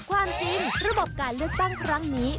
ความจริงระบบการเลือกตั้งครั้งนี้